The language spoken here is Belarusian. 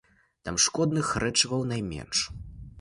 Там шкодных рэчываў найменш.